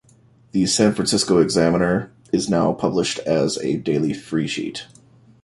The "San Francisco Examiner" is now published as a daily freesheet.